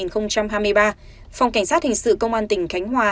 phòng cảnh sát hình sự công an tỉnh khánh hòa